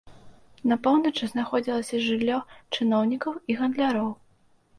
На поўначы знаходзілася жыллё чыноўнікаў і гандляроў.